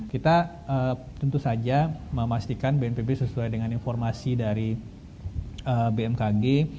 kita tentu saja memastikan bnpb sesuai dengan informasi dari bmkg